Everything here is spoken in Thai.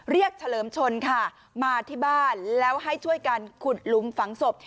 เฉลิมชนค่ะมาที่บ้านแล้วให้ช่วยกันขุดหลุมฝังศพ